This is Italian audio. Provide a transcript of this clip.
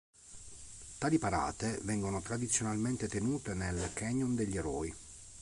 Tali parate vengono tradizionalmente tenute nel "Canyon degli Eroi".